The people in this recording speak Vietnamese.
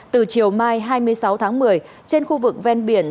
từ chiều mai hai mươi sáu tháng một mươi trên khu vực ven biển